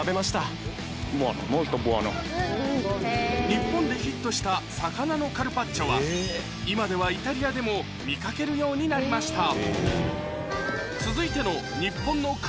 日本でヒットした魚のカルパッチョは今ではイタリアでも見掛けるようになりました